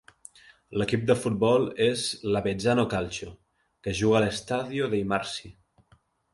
L'equip de futbol és l'Avezzano Calcio que juga a l'Stadio dei Marsi.